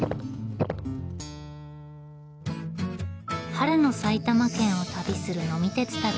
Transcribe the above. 春の埼玉県を旅する「呑み鉄旅」。